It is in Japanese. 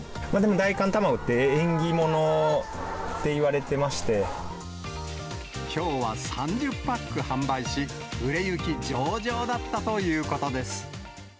大寒たまごって縁起物っていきょうは３０パック販売し、売れ行き上々だったということです。